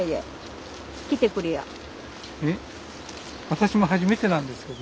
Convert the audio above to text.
私も初めてなんですけど。